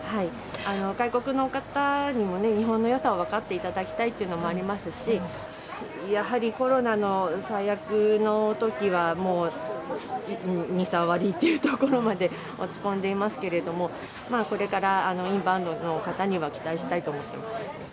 外国の方にも日本のよさを分かっていただきたいというのもありますし、やはり、コロナの最悪のときはもう２、３割というところまで落ち込んでいますけれども、これからインバウンドの方には期待したいと思っています。